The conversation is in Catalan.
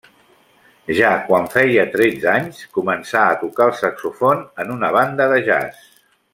Ja quan feia tretze anys, començà a tocar el saxòfon en una banda de jazz.